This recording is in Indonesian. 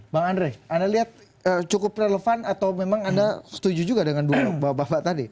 bang andre anda lihat cukup relevan atau memang anda setuju juga dengan bapak bapak tadi